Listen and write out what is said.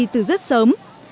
từ rất sớm